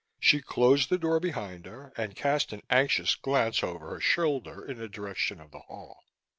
She closed the door behind her and cast an anxious glance over her shoulder in the direction of the hall.